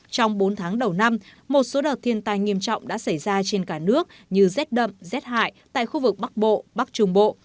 trong bốn tháng đầu năm một số đợt thiên tai nghiêm trọng đã xảy ra trên cả nước như rét đậm rét hại tại khu vực bắc bộ bắc trung bộ